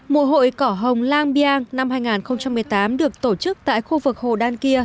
mùa hội cỏ hồng lang biang năm hai nghìn một mươi tám được tổ chức tại khu vực hồ đan kia